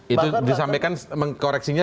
itu disampaikan koreksinya